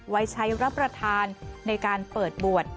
ไว้ใช้รับประทานในการเปิดบวช